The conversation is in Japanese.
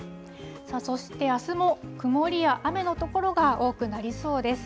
そしてあすも、曇りや雨の所が多くなりそうです。